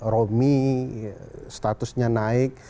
romi statusnya naik